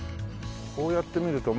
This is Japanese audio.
こうやって見るとまあ。